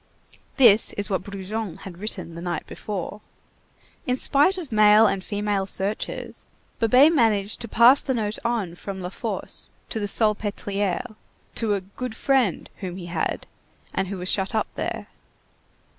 This is what Brujon had written the night before. In spite of male and female searchers, Babet managed to pass the note on from La Force to the Salpêtrière, to a "good friend" whom he had and who was shut up there.